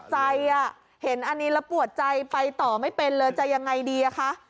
เห็นอันนี้แล้วปวดใจไปต่อไม่เป็นเลยจะยังไงดีอะคะ